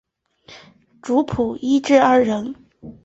主薄一至二人。